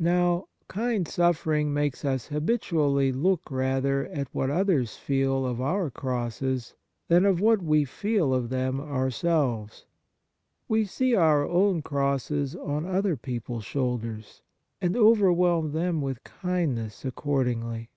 Now, kind suffering makes us habitually look rather at what io6 Kindness others feel of our crosses than of what we feel of them ourselves. We see our own crosses on other people's shoulders, and overwhelm them with kindness accordingly.